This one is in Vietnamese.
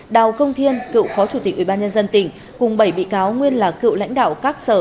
đào công thiên cựu phó chủ tịch ubnd tỉnh cùng bảy bị cáo nguyên là cựu lãnh đạo các sở